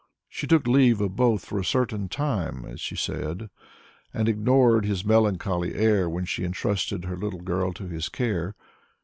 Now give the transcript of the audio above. She took leave of both for "a certain time" as she said, and ignored his melancholy air when she entrusted her little girl to his care.